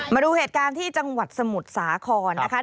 มาดูเหตุการณ์ที่จังหวัดสมุทรสาครนะคะ